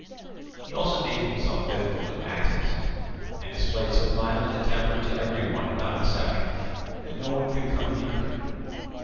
He also made himself difficult of access, and displayed so violent a temper to every one without exception that no one could come near him.